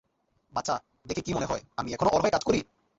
বাছা, দেখে কি মনে হয় আমি এখনো ওর হয়ে কাজ করি?